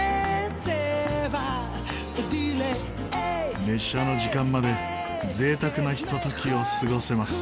列車の時間まで贅沢なひとときを過ごせます。